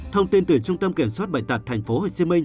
thông tin từ trung tâm kiểm soát bệnh tật tp hcm